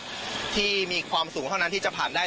ที่มีความสูงเท่านั้นที่จะผ่านได้